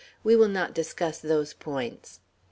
We will not discuss those points."